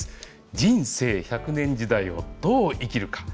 人生１００年時代をどう生きるか。